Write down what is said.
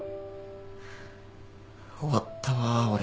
終わったわ俺。